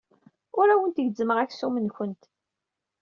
Ur awent-gezzmeɣ aksum-nwent.